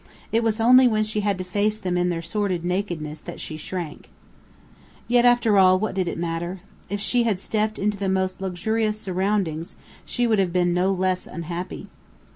It was only when she had to face them in their sordid nakedness that she shrank. Yet, after all, what did it matter? If she had stepped into the most luxurious surroundings she would have been no less unhappy.